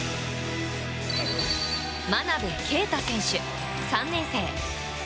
真鍋慧選手、３年生。